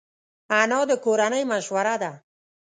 انا د کورنۍ مشوره ده